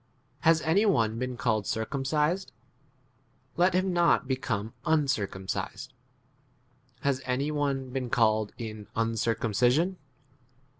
Has any one been called circumcised ? let him not become uncircumcised : has any one been called in un circumcision